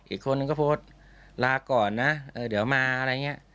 อีกคนนึงก็โพสต์ลาก่อนนะเดี๋ยวมาอะไรอย่างนี้